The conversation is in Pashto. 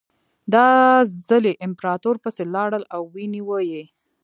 دا ځل یې امپراتور پسې لاړل او ونیو یې.